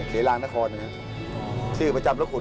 ครับคุณสั่งเกสินประจำรถขุด